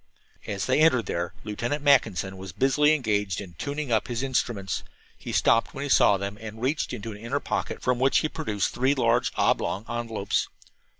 As they entered there Lieutenant Mackinson was busily engaged in "tuning up" his instruments. He stopped when he saw them and reached into an inner pocket, from which he produced three large oblong envelopes.